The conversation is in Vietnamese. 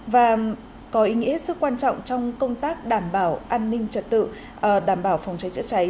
và có ý nghĩa hết sức quan trọng trong công tác đảm bảo an ninh trật tự đảm bảo phòng cháy chữa cháy